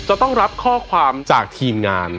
จะต้องรับข้อความจากทีมงาน